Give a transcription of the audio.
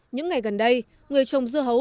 những ngày gần đây người trồng dưa hấu